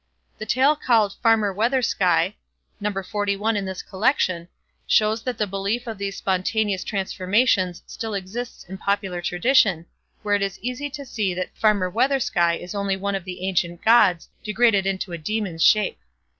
The tale called "Farmer Weathersky", No. xli in this collection, shows that the belief of these spontaneous transformations still exists in popular tradition, where it is easy to see that Farmer Weathersky is only one of the ancient gods degraded into a demon's shape.